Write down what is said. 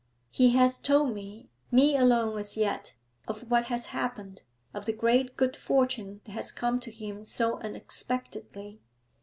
He has told me me alone as yet of what has happened, of the great good fortune that has come to him so unexpectedly.